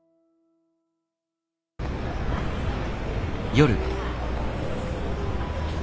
夜。